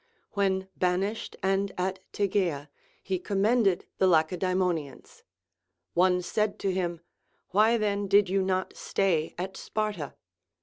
When banished and at Tegea, he commended the Lacedaemonians. One said to him, Why then did you not stay at Sparta?